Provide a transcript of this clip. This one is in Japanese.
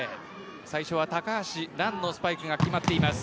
最初は高橋藍のスパイクが決まっています。